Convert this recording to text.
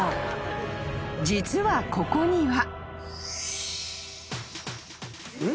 ［実はここには］